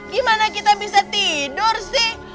gimana kita bisa tidur sih